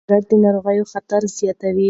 سګرېټ د ناروغیو خطر زیاتوي.